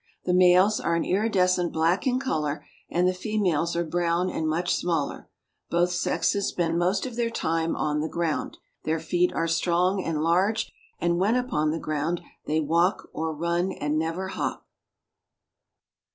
The males are an iridescent black in color and the females are brown and much smaller. Both sexes spend most of their time on the ground. Their feet are strong and large, and, when upon the ground, they walk or run and never hop.